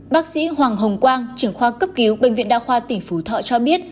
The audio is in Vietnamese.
bác sĩ hoàng hồng quang trưởng khoa cấp cứu bệnh viện đa khoa tỉnh phú thọ cho biết